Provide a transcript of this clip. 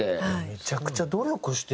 めちゃくちゃ努力してる。